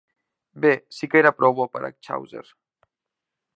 Bé, sí que era prou bo per a Chaucer.